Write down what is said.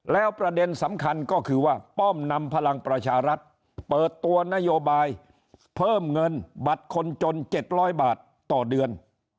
แล้วประเด็นสำคัญก็คือว่าป้อมนำพลังประชารัฐเปิดตัวนโยบายเพิ่มเงินบัตรคนจน๗๐๐บาทต่อเดือน